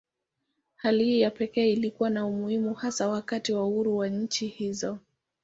Hali hii ya pekee ilikuwa na umuhimu hasa wakati wa uhuru wa nchi hizo.